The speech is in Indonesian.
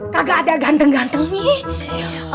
kagak ada ganteng ganteng nih